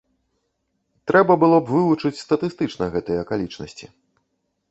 Трэба было б вывучыць статыстычна гэтыя акалічнасці.